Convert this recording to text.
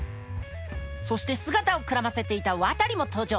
そして姿をくらませていた渡も登場。